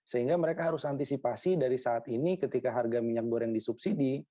sehingga mereka harus antisipasi dari saat ini ketika harga minyak goreng disubsidi